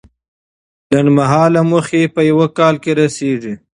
لنډمهاله موخې په یو کال کې رسیږي.